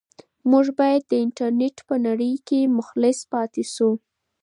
موږ باید د انټرنيټ په نړۍ کې مخلص پاتې شو.